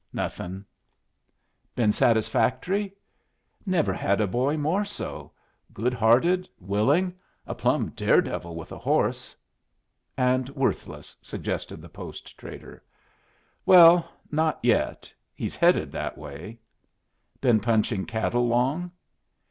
"Nothing." "Been satisfactory?" "Never had a boy more so. Good hearted, willing, a plumb dare devil with a horse." "And worthless," suggested the post trader. "Well not yet. He's headed that way." "Been punching cattle long?"